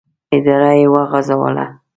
اداره یې وغځوله.